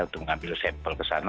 untuk mengambil sampel kesana